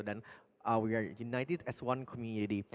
dan kita berkongsi sebagai satu komunitas